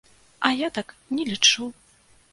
А я так не лічу.